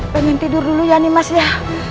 pengen tidur dulu ya nimas ya